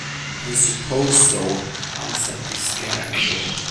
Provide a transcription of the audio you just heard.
"I suppose so," answered the Scarecrow.